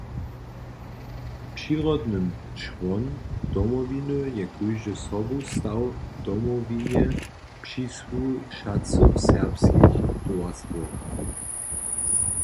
Přirodnym čłon Domowiny je kóždy sobustaw Domowinje přisłušacych serbskich towarstwow.